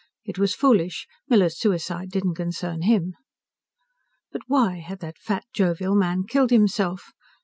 It was foolish. Miller's suicide didn't concern him. But why had that fat, jovial man killed himself?